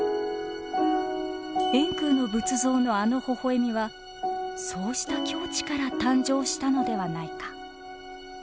円空の仏像のあのほほえみはそうした境地から誕生したのではないか。